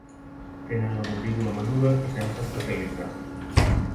Tenen la mandíbula menuda i sense especialitzar.